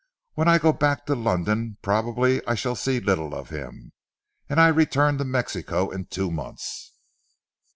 When I go back to London probably I shall see little of him. And I return to Mexico in two months."